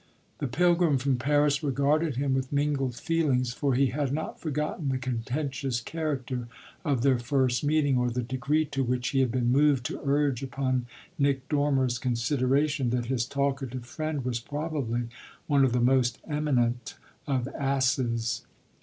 The pilgrim from Paris regarded him with mingled feelings, for he had not forgotten the contentious character of their first meeting or the degree to which he had been moved to urge upon Nick Dormer's consideration that his talkative friend was probably one of the most eminent of asses.